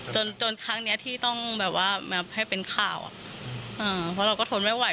จนจนครั้งนี้ที่ต้องแบบว่าให้เป็นข่าวเพราะเราก็ทนไม่ไหว